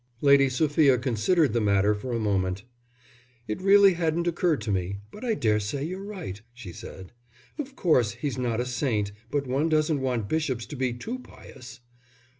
Lady Sophia considered the matter for a moment. "It really hadn't occurred to me, but I daresay you're right," she said. "Of course he's not a saint, but one doesn't want bishops to be too pious.